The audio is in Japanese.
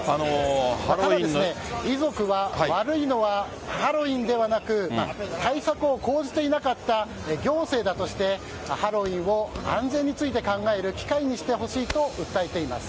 ただ遺族は悪いのはハロウィーンではなく対策を講じていなかった行政だとしてハロウィーンを安全について考える機会にしてほしいと訴えています。